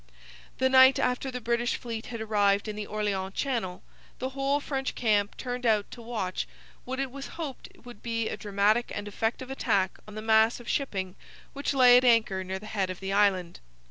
The night after the British fleet had arrived in the Orleans Channel, the whole French camp turned out to watch what it was hoped would be a dramatic and effective attack on the mass of shipping which lay at anchor near the head of the island.